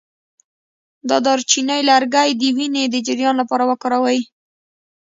د دارچینی لرګی د وینې د جریان لپاره وکاروئ